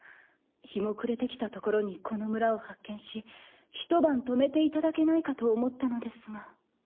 日もくれてきたところにこの村を発見しひと晩泊めていただけないかと思ったのですが。